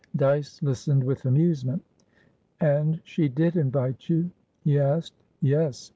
Dyce listened with amusement. "And she did invite you?" he asked. "Yes.